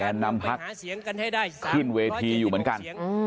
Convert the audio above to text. และนำพักขึ้นเวทีอยู่เหมือนกัน